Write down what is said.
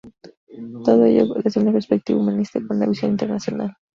Todo ello con desde una perspectiva humanista y con una visión internacional.